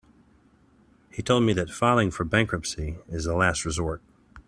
He told me that filing for bankruptcy is the last resort.